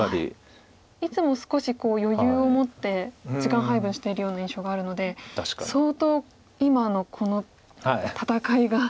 いつも少し余裕を持って時間配分してるような印象があるので相当今のこの戦いが。